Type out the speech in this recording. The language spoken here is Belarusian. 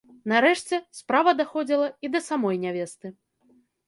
Нарэшце, справа даходзіла і да самой нявесты.